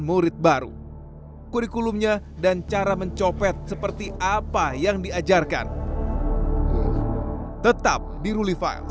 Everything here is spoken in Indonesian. murid baru kurikulumnya dan cara mencopet seperti apa yang diajarkan tetap di ruli file